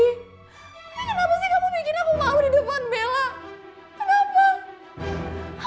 tapi kenapa sih kamu bikin aku malu di depan bella